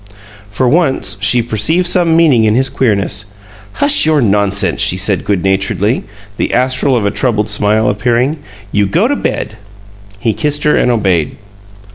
For once she perceived some meaning in his queerness. "Hush your nonsense!" she said, good naturedly, the astral of a troubled smile appearing. "You go to bed." He kissed her and obeyed.